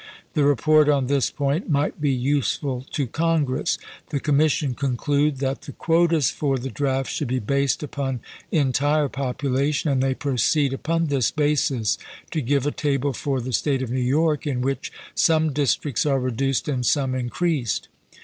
The report, on this point, might be useful to Congress. The commission conclude that the quotas for the draft should be based upon entire population, and they proceed upon this basis to give a table for the State of New York, in which some districts are reduced and some increased.